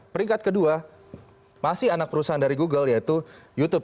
peringkat kedua masih anak perusahaan dari google yaitu youtube